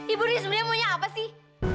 ibu ri sebenarnya maunya apa sih